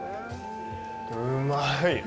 うまい。